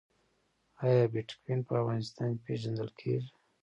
آیا بټکوین په افغانستان کې پیژندل کیږي؟